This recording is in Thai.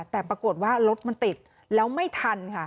แต่ปรากฏว่ารถมันติดแล้วไม่ทันค่ะ